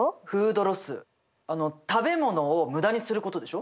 食べ物を無駄にすることでしょ。